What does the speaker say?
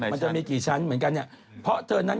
มันจะมีกี่ชั้นเหมือนกันเนี่ยเพราะเธอนั้น